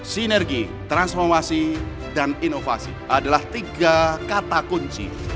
sinergi transformasi dan inovasi adalah tiga kata kunci